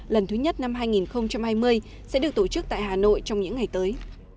lần thứ nhất năm hai nghìn hai mươi sẽ được tổ chức tại hà nội trong những ngày tới